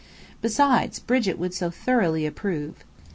Besides, Brigit would so thoroughly approve!